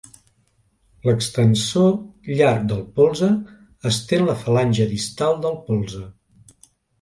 L'extensor llarg del polze estén la falange distal del polze.